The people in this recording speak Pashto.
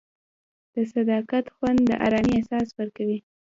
د صداقت خوند د ارامۍ احساس ورکوي.